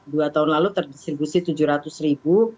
dua tahun lalu terdistribusi rp tujuh ratus